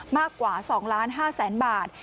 มากกว่า๒๕๐๐๐๐บาท